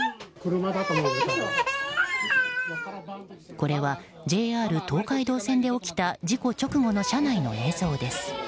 これはＪＲ東海道線で起きた事故直後の車内の映像です。